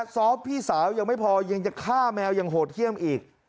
ซอฟต์พี่สาวยังไม่พอยังจะฆ่าแมวยังโหดเยี่ยมอีก